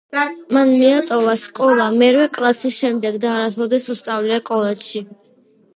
მან მიატოვა სკოლა მერვე კლასის შემდეგ და არასოდეს უსწავლია კოლეჯში.